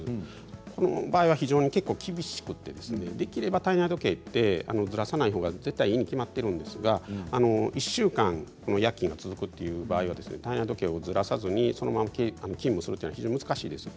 こちらの場合は結構、厳しくて体内時計はできればずらさないほうがいいに決まっているんですが１週間夜勤が続く場合は体内時計をずらさずにそのまま勤務するのは難しいんです。